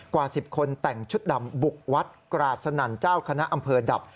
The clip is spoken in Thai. กว่า๑๐คนแต่งชุดดำบุกวัดกราศนั่นเจ้าคณะอำเภอดับ